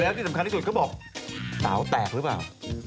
แล้วที่สำคัญที่สุดเขาบอกเสาแตกหรือเปล่า